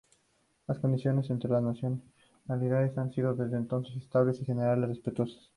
Las condiciones entre las nacionalidades han sido desde entonces estables y en general respetuosas.